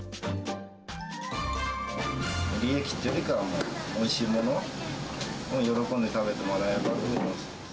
利益っていうよりかは、おいしいものを喜んで食べてもらえればと。